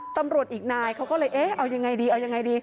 ตำรวจอีกนายเขาก็เลยเอ๊ะเอายังไงดีเอายังไงดี